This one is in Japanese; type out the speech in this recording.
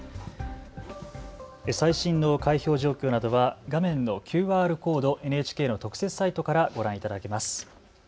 最新の開票状況などは画面のＱＲコード、ＮＨＫの特設サイトからご覧いただけます。